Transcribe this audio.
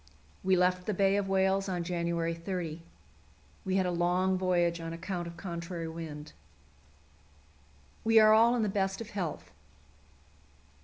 We left the Bay of Whales on January 30. We had a long voyage on account of contrary wind. We are all in the best of health.